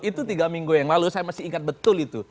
itu tiga minggu yang lalu saya masih ingat betul itu